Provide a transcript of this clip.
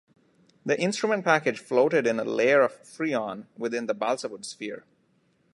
The instrument package floated in a layer of freon within the balsawood sphere.